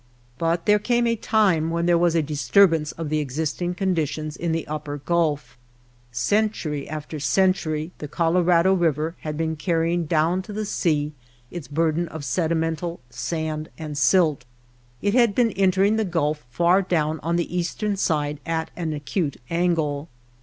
But there came a time when there was a dis turbance of the existing conditions in the Up per Gulf. Century after century the Colorado River had been carrying down to the sea its burden of sedimental sand and silt. It had THE BOTTOM OF THE BOWL 47 been entering the Gulf far down on the eastern side at an acute angle.